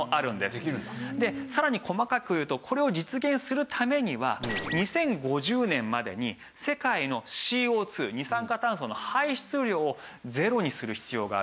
でさらに細かく言うとこれを実現するためには２０５０年までに世界のＣＯ２二酸化炭素の排出量をゼロにする必要があるんです。